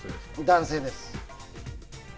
男性です。